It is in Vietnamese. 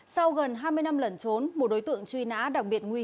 sau gần hai mươi năm lẩn trốn một đối tượng truy nã đặc biệt nguy hiểm